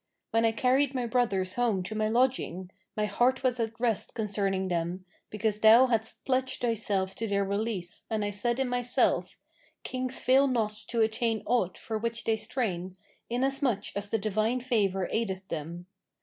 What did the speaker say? when I carried my brothers home to my lodging, my heart was at rest concerning them, because thou hadst pledged thyself to their release and I said in myself, 'Kings fail not to attain aught for which they strain, inasmuch as the divine favour aideth them.'